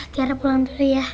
tiara pulang dulu ya